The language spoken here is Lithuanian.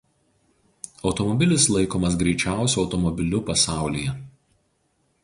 Automobilis laikomas greičiausiu automobiliu pasaulyje.